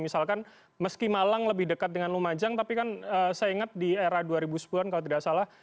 misalkan meski malang lebih dekat dengan lumajang tapi kan saya ingat di era dua ribu sepuluh an kalau tidak salah